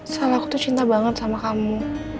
soal aku tuh cinta banget sama kamu